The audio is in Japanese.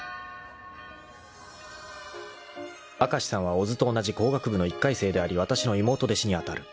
［明石さんは小津と同じ工学部の１回生でありわたしの妹弟子に当たる］